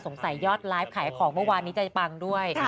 ยอดไลฟ์ขายของเมื่อวานนี้ใจปังด้วย